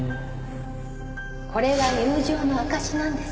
これは友情の証しなんです